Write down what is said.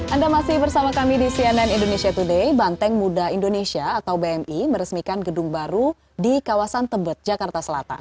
anda masih bersama kami di cnn indonesia today banteng muda indonesia atau bmi meresmikan gedung baru di kawasan tebet jakarta selatan